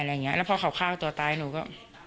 แล้วพอเขาฆ่าตัวตายหนูก็